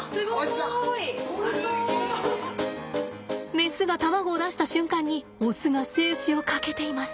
メスが卵を出した瞬間にオスが精子をかけています。